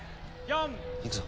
いくぞ。